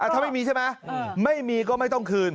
ถ้าไม่มีใช่ไหมไม่มีก็ไม่ต้องคืน